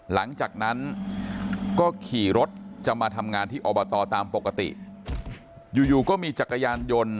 หลังจากนั้นก็ขี่รถจะมาทำงานที่อบตตามปกติอยู่อยู่ก็มีจักรยานยนต์